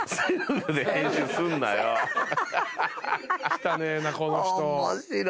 汚えなこの人。